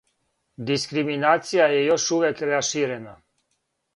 Дискриминација је још увијек раширена.